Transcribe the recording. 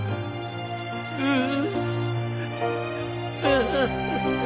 うん。